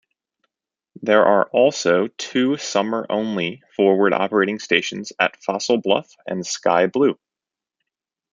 There are also two summer-only forward operating stations at Fossil Bluff and Sky Blu.